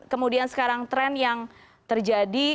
kemudian sekarang tren yang terjadi